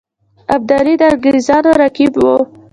ابدالي د انګرېزانو رقیب وو.